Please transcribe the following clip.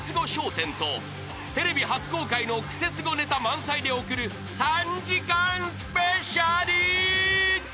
１０とテレビ初公開のクセスゴネタ満載で送る３時間スペシャル］